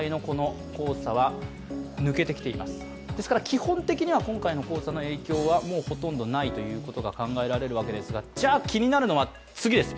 基本的には今回の黄砂の影響は、もうほとんどないと考えられるわけですが、じゃあ気になるのは次です。